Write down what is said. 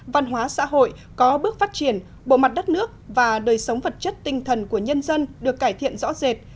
văn hóa xã hội có bước phát triển bộ mặt đất nước và đời sống vật chất tinh thần của nhân dân được cải thiện rõ rệt